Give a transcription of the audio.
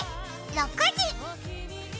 ６時！